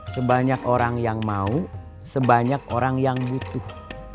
sebanyak orang yang mau sebanyak orang yang butuh